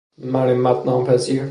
مرمت ناپذیر